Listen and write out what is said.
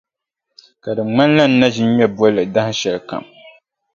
Ka di ŋmanila n na ʒi n-ŋme bolli dahinshɛli kam.